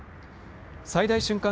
最大瞬間